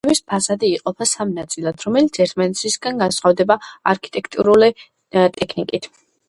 შენობის ფასადი იყოფა სამ ნაწილად, რომლებიც ერთმანეთისაგან განსხვავდება არქიტექტურული ტექნიკით.